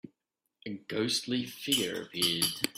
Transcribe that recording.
A ghostly figure appeared.